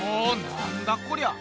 なんだこりゃ！